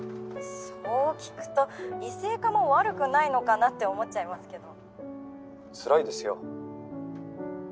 そう聞くと異性化も悪くないのかなって思っちゃいますけど。